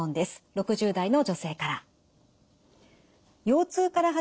６０代の女性から。